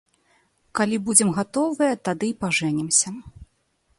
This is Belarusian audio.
Калі будзем гатовыя, тады і пажэнімся.